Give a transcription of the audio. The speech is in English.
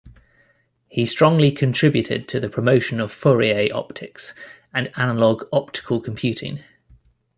He strongly contributed to the promotion of Fourier optics and analog optical computing.